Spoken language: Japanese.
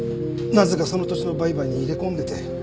なぜかその土地の売買に入れ込んでて。